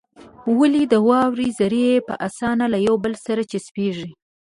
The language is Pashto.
ولې د واورې ذرې په اسانه له يو بل سره چسپېږي؟